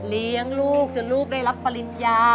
เลี้ยงลูกจนลูกได้รับปริญญา